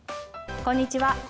こんにちは。